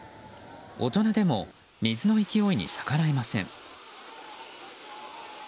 大人でも水の勢いに逆らえません。